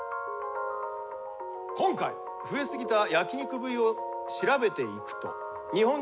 今回増えすぎた焼肉部位を調べていくと。